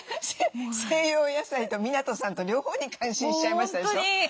西洋野菜と湊さんと両方に感心しちゃいましたでしょ？